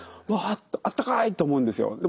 「うわあったかい」と思うんですよ。